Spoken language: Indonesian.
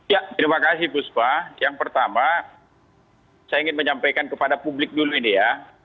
ya terima kasih bu spa yang pertama saya ingin menyampaikan kepada publik dulu ini ya